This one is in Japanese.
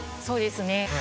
そうですね。